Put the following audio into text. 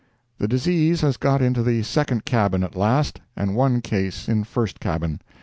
"The disease has got into the second cabin at last, and one case in first cabin.